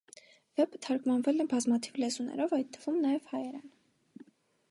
Վեպը թարգմանվել է բազմաթիվ լեզուներով, այդ թվում նաև հայերեն։